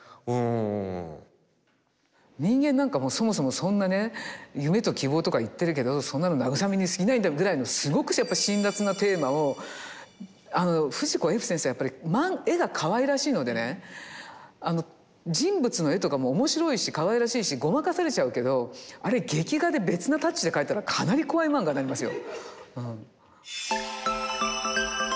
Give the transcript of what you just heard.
人間なんかもそもそもそんなね夢と希望とか言っているけど藤子・Ｆ先生はやっぱり絵がかわいらしいのでね人物の絵とかも面白いしかわいらしいしごまかされちゃうけどあれ劇画で別なタッチで描いたらかなり怖い漫画になりますよ。